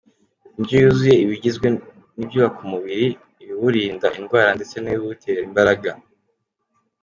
Indyo yuzuye iba igizwe n'ibyubaka umubiri, ibiwurinda indwara ndetse n’ibiwutera imbaraga.